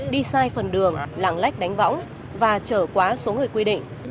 đi sai phần đường lặng lách đánh võng và chở quá số người quy định